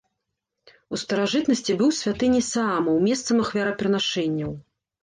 У старажытнасці быў святыняй саамаў, месцам ахвярапрынашэнняў.